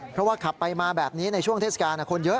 เพราะว่าขับไปมาแบบนี้ในช่วงเทศกาลคนเยอะ